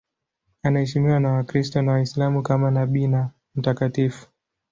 Anaheshimiwa na Wakristo na Waislamu kama nabii na mtakatifu.